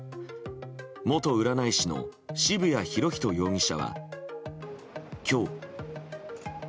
元占い師の渋谷博仁容疑者は今日。